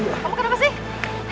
kamu kenapa sih